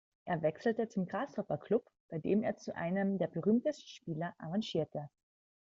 Er wechselte zum Grasshopper-Club, bei dem er zu einem der berühmtesten Spieler avancierte.